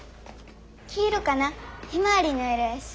黄色かなひまわりの色やし。